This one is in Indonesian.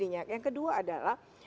yang kedua adalah